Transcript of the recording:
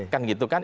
kan gitu kan